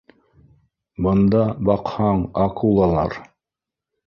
Бында, баҡһаң, акулалар